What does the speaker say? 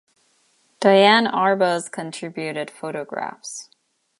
Diane Arbus contributed photographs.